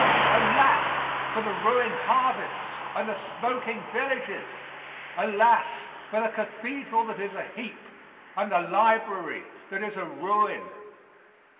Alas! for the ruined harvests and the smoking villages! Alas, for the Cathedral that is a heap, and the library that is a ruin.